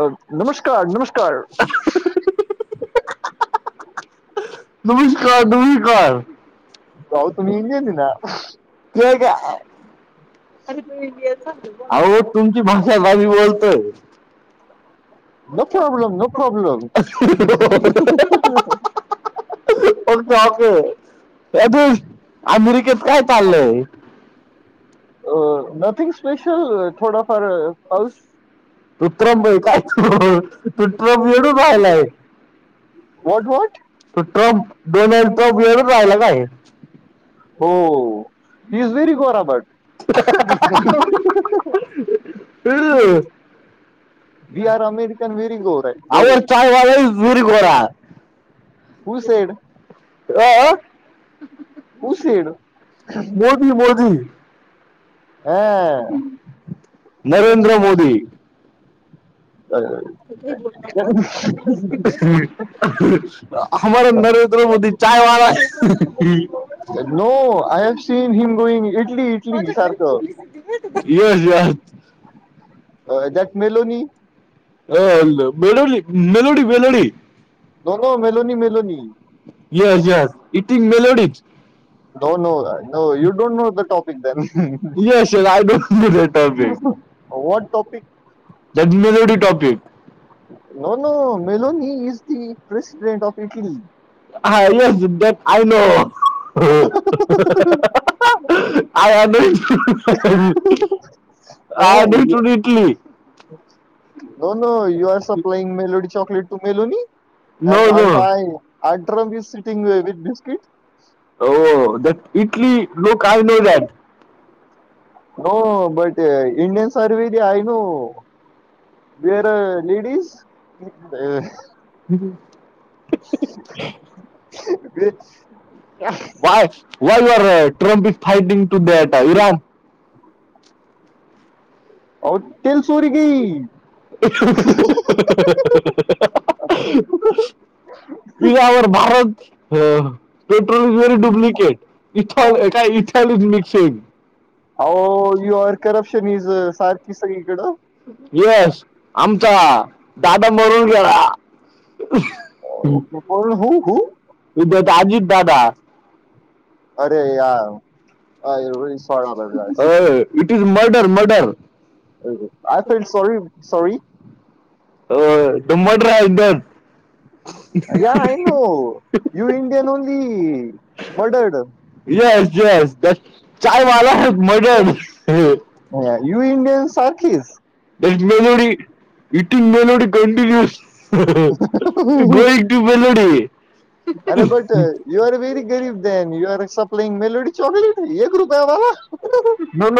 अ नमस्कार नमस्कार हाहाहा नमस्कार नमस्कार भाऊ तुम्ही इंडियन हे ना हे घ्या काय इंडिया सारख बोल तो अहो तुमची भाषा बारी बोलतोय नो प्रॉब्लेम नो प्रॉब्लेम ह ह ह ओके ओके प्रत्युष अमेरिकेत काय चाललंय अ नथिंग स्पेशल थोडाफार पाऊस तुत्र काय तुत्रम एवडू पायहिलाय व्हाट व्हाट त ट्रम्प डोनाल्ड ट्रम्प वर झालेला हो शी इज व्हेरी गोराबट पिल वी आर अमेरिकन व्हेरी गोर गोरे our chai wala is very गोरा who said a a who said Modi Modi अ य नरेंद्र मोदी [unintelligible] तु काही बोलू नकोस माझ बद्दल त्याच्यामुळेच हमारा Narendra Modi chai wala no I have seen him going Italy Italy सारखं येच या अ दॅट मेलोनी अल् बेलोली मेलोडी मेलोडी नरो मुलोनी मुलोनी येस येस इट इंग मेलोडी दोन you don't know the topic the what topic ननो Meloni is the president of Italy हा येस जिद्द आय नो आय आयड टूड इटली हो न you are supplying melody chocolate to Meloni अड्र ब सिटिंग व विथ बिस्किट हो द इटली लोक आय नो दॅट हो बट इंडियन सर्वी दे आहेय न वेर लेडीस. हम् ब वाय वाय आर ट्रम्प इ फाटिंग टू दट इरान औ तल सोरी गय [inaudible] इ our Bharat petrol is very duplicate इथल ए काय इथली मिक्सिंग हो यू आर करप्शन इज सारखी सगळीकडें येस आमचा दादा म्हरून गेला. ओ पण हो हो विद्य आजित दादा. अरे या अ इट इज मर्डर मर्डर य फ सॉरी सॉरी. हो तुमडत या न you Indian only murdered yes yes य वाला मगर यू इंडियन सारखीच. ब मेलोडी इटिंग मेलोडी कंटिन्युअ गो ट्यूब लोडी अरे बट यू आर वेरी गरीब दन you are supplying melody chocolate एक रुपया बाबा नण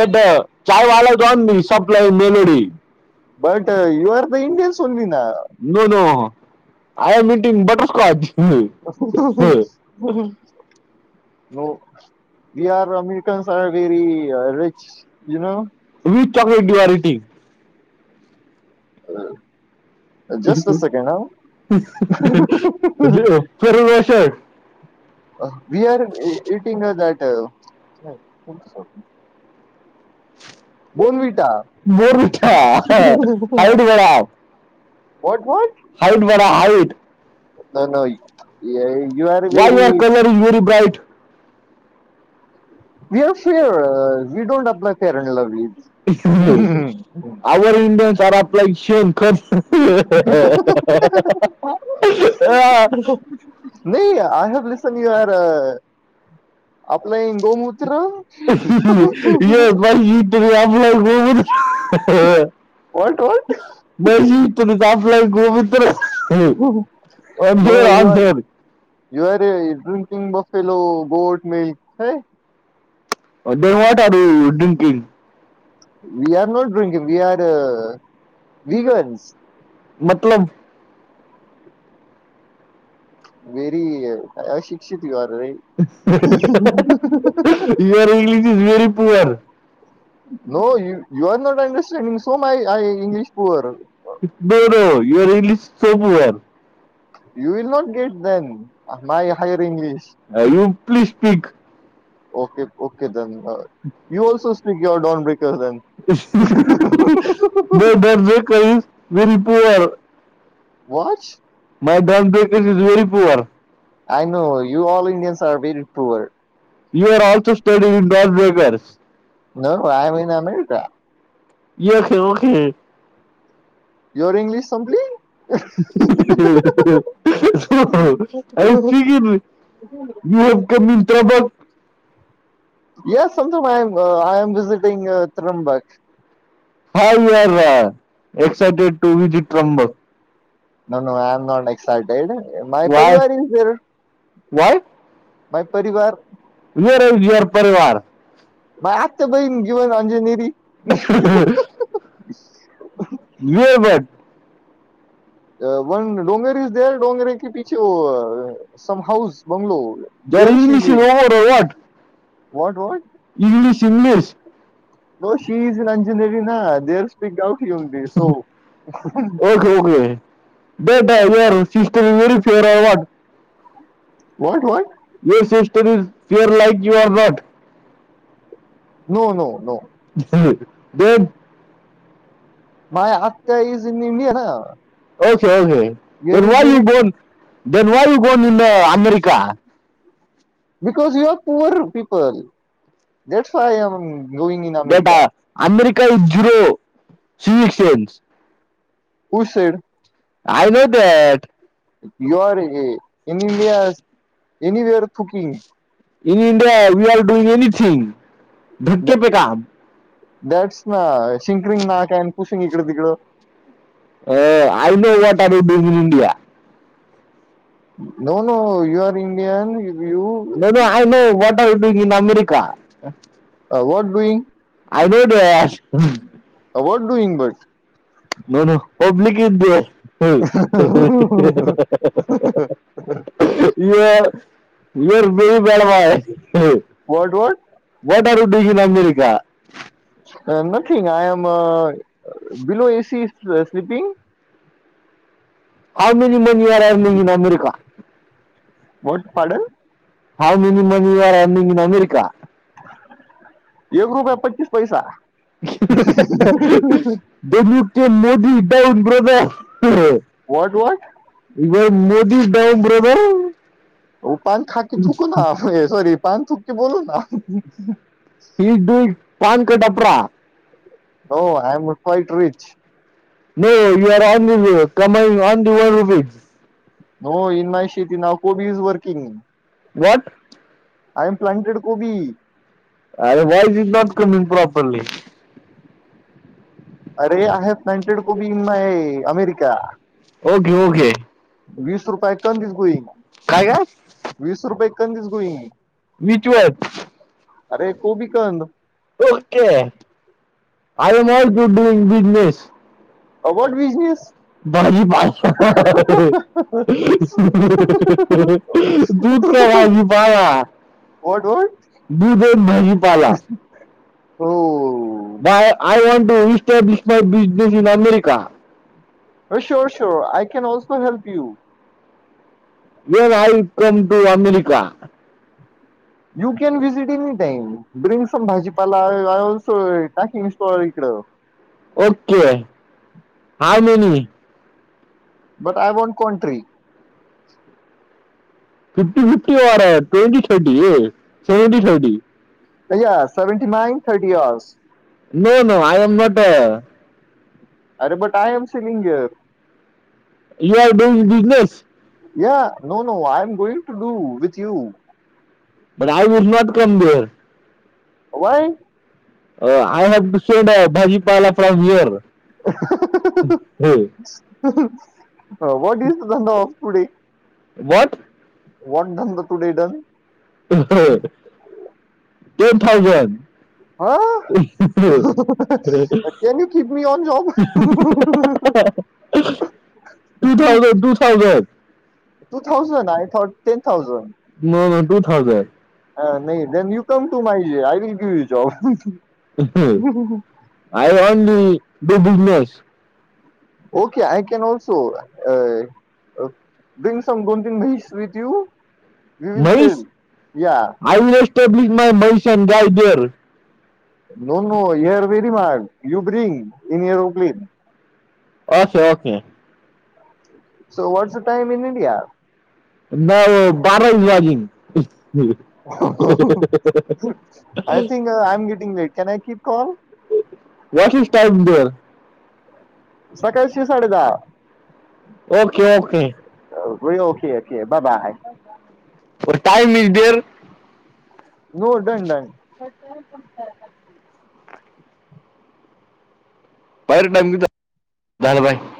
दड चचाय वालातऊन supply melody but you are the इंिन सोलवी ना. No no I am eating butter scotch हो बी are American are very rich हो जस्ट अस सेकेड ह we are eating that Bournvita व नाही. You are very greedy we are fear we don't apply फेअरंड. Our Indians are आपलाशन कर. हा. नाही I have listen you are ये बाई वटला बत मी तुण फ लाई गोबित न शवड ऑन शेर जरे ड्रिंकिंग बफेलो बोट मल् ह. न वाटर डिंकिंग वी आर नोडरंग वी आर. मतलब वेरी या शिक्षितवार रे. [inaudible] नो य you are not understanding so my English पर ड युअर इंग्लिश सोपर यू वल not get then my higher English you please speak okay okay then you also speak your done ब्रे then म भरज काहीस वरी पर वच. मगरी पर I know you all Indians are very poor नय महिना नाही का? Yeah okay okay. Your English complete आसिक ह. Yes something I'm I am visiting Trimbak हाय यर रा [unintelligible] एक्साटेड टू वि ज Trimbak no no I'm not excited my परिवार इज देअर. व्हाय. बाय परिवार [unintelligible] माय आत्ता बईण घेऊन अंजनेरी [inaudible] वेळवेट [unintelligible] वन डोंगर इज देअर डोंगरे के पिछे व सम हाऊस बंगलो. जर इंगलीशिंग वाट [unintelligible] व्हाट व्हाट. English English. हो शीज रंजनेली ना देड स् पी गावठी येऊन त so. Okay okay data your system is very fair अव्हाट. What what. Yes history fear like. क्यू आर वड. No no no. ह ब माय आत्ता्या इज म ना. Okay okay then why you bone the why you born in America because you are प poor people जट्स I am data America is zero. शी सेक्स I know that year एर any वर थुकिंग [unintelligible] in India we are doing anything धक्के पे काम. That's five thinking not अॕन pushing इकडं तिकडं no no you are Indian is you no no I know what are you doing in America I know डॅश what doing but no no public is there इ ब बडवाय [inaudible] what are you doing America nothing I am below AC sleeping [inaudible] how many [unintelligible] मणी याारयरमन अमेरिक what पाड how many मन are मिंग in America एक रुपये पच्चीस पैसा बमुत मोदी दडाऊन ब्रदर व्हॉट व्हॉट इ ब मोदी डाऊम बरोब हो पान खाके थुकला ना आप सॉरी पान थुकके बोलू ना हो आयम [unintelligible] रिच नाहीर ऑन [unintelligible] कमा ऑन द वन रुप हो इन माय शेती नाउ कोबी is working what I am planted कोबी. अे वॉईस इ नाॉट कमिंग प्रॉपर्ली. अरे! आय हॅव नाइंटीनटेड कोबी इन अमेरिका. ओके ओके वीस रुपये कमी दिस गोई काय का? वीस रुपये एक कंदीच घुईंगी विचवात अरे को बी कत okay I'm not to डुंग business about business भाजीपाला दूध का भाजीपाला [inaudible] डर दूध भाजीपाला हो बाय य want to establish my business in America sure sure I can also help you नयतटु अमेरिक [unintelligible] you can visit any them bring some भाजीपाला आय ऑल्सो टाकिंग स्टॉ इकडं okay high many but I want country fifty fifty or twenty twenty seventy seventy अ सेंटी nine thirty years no no I am not there अरे बटाय एमसलींग. You are doing business या no no I am going to do with you. But I would not come there. Why. I have to शेड भाजी पाहाला fur हो what is धंदा of कुडी. What. What done today done. Ten thousand. हा can य kid me on job two thousand two thousand two thousand I thought ten thousand. No no two thousand हा नाही then you come to my जे I will give you job. I नली the business okay I can also अ बिन स दोन तीन with you. Mahesh I वश public my Mahesh and guy there no no you are very मार you bring in your [unintelligible] okay okay! So what a time in India. म बाराजी is झाली. I थं I'm getting वटॅन आय की कॉल वाटेश time. सकाळचे साडे दहा. ओके ओके बा बाय टाईम इज देडेअर. हो डन डन. बाहेर टाईम दबाई